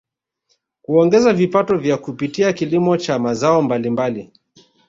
Kuongeza vipato vyao kupitia kilimo cha mazao mbalimbali